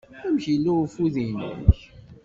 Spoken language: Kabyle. Amek yella ufud-nnek?